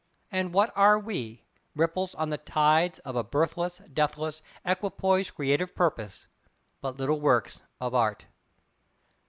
And what are we—ripples on the tides of a birthless, deathless, equipoised Creative Purpose—but little works of Art?